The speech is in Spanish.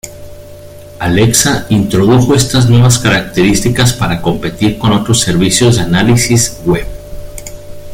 Alexa introdujo estas nuevas características para competir con otros servicios de análisis web.